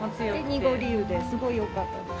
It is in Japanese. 濁り湯ですごいよかったです。